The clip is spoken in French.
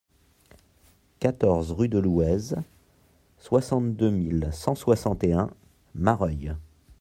quatorze rue de Louez, soixante-deux mille cent soixante et un Marœuil